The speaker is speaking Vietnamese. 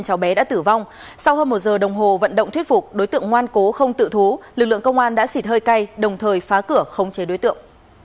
sau hơn một giờ đồng hồ vận động thuyết phục đối tượng ngoan cố không tự thú lực lượng công an đã xịt hơi cay đồng thời phá cửa khống chế đối tượng